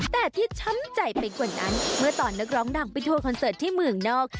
แต่ที่ช้ำใจไปกว่านั้นเมื่อตอนนักร้องดังไปทัวร์คอนเสิร์ตที่เมืองนอก